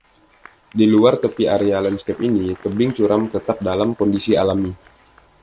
Di luar tepi area lanskap ini, tebing curam tetap dalam kondisi alami.